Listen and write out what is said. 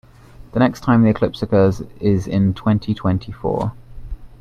The next time the eclipse occurs is in twenty-twenty-four.